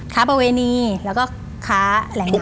ค้าประเวณีแล้วก็ค้าแหล่งน้ำ